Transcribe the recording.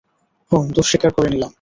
হুম, দোষ স্বীকার করে নিলাম।